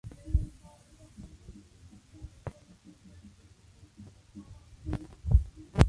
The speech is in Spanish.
No hay perspectiva en la pintura mozárabe ni, en particular, en el Beato.